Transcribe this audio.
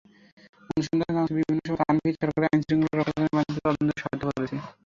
অনুসন্ধানে জানা গেছে, বিভিন্ন সময় তানভীর সরকারের আইনশৃঙ্খলা রক্ষাকারী বাহিনীকে তদন্তে সহায়তা দিয়েছেন।